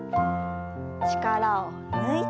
力を抜いて。